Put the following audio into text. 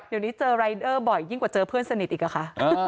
เดี๋ยวนี้เจอรายเดอร์บ่อยยิ่งกว่าเจอเพื่อนสนิทอีกเหรอคะ